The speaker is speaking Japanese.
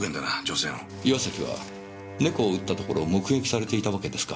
岩崎は猫を撃ったところを目撃されていたわけですか。